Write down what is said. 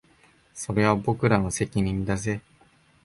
それは僕らの責任だぜ